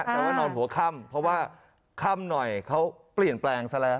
แต่ว่านอนหัวค่ำเพราะว่าค่ำหน่อยเขาเปลี่ยนแปลงซะแล้ว